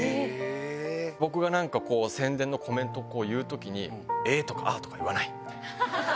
僕がなんか、こう宣伝のコメントを言うときに、えーとかあーとか言わない！って。